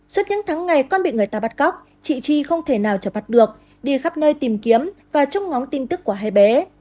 suốt những tháng ngày con bị người ta bắt cóc chị chi không thể nào chật được đi khắp nơi tìm kiếm và trông ngóng tin tức của hai bé